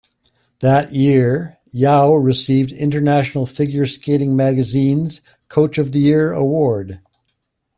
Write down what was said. That year, Yao received "International Figure Skating Magazine"'s Coach of the Year award.